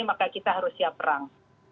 maka kita harus siap perang